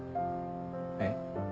えっ？